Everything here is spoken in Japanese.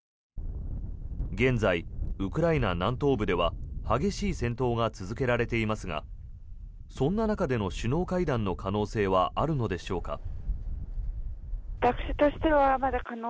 現在、ウクライナ南東部では激しい戦闘が続けられていますがそんな中での首脳会談の可能性はあるのでしょうか。